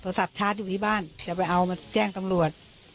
ศัพทชาร์จอยู่ที่บ้านจะไปเอามาแจ้งตำรวจ